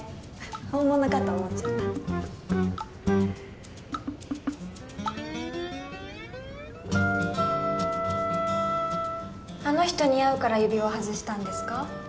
本物かと思っちゃったあの人に会うから指輪外したんですか？